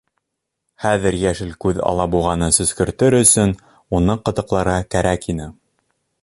Хәҙер Йәшел күҙ алабуғаны сөскөртөр өсон уны ҡытыҡларга кәрәк ине.